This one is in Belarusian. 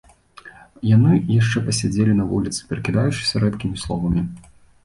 Яны яшчэ пасядзелі на вуліцы, перакідаючыся рэдкімі словамі.